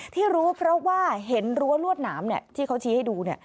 ที่รู้เพราะว่าเห็นรั้วรวดหนามที่เขาชี้ให้ดูเนี่ย